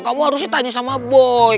kamu harusnya tanya sama boy